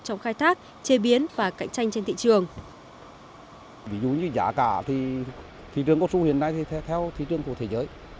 trong khai thác chế biến và cạnh tranh trên thị trường